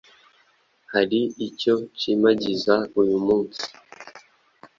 Hari icyo nshimagiza uyu munsi